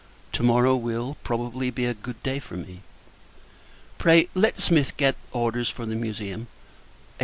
To morrow will, probably, be a good day for me. Pray, let Smith get orders for the Museum, &c.